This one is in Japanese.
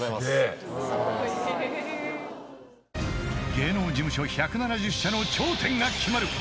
［芸能事務所１７０社の頂点が決まる］